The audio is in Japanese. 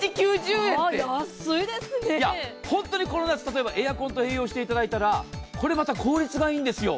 本当にこの夏、エアコンと併用していただいたらこれまた効率がいいんですよ。